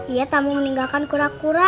ia tak mau meninggalkan kura kura